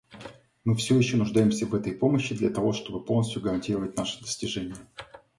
Мы все еще нуждаемся в этой помощи, для того чтобы полностью гарантировать наши достижения.